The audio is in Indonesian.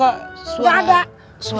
udah selesai nyamarnya nyamarnya tau gak